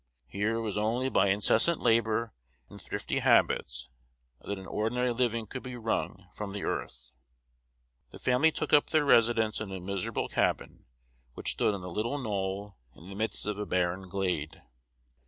Here it was only by incessant labor and thrifty habits that an ordinary living could be wrung from the earth. The family took up their residence in a miserable cabin, which stood on a little knoll in the midst of a barren glade.